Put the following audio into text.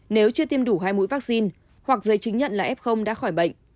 nếu chưa tiêm đủ hai mũi vaccine hoặc giấy chứng nhận là f đã khỏi bệnh